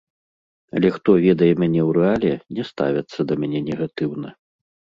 Але хто ведае мяне ў рэале, не ставяцца да мяне негатыўна.